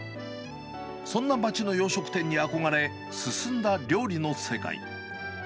そんな街の洋食店に憧れ、進んだ料理の世界。